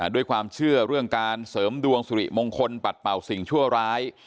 ด้วยความเชื่อเรื่องการเสริมดวงสุริมงคลปัดเป่าสิ่งชั่วร้าย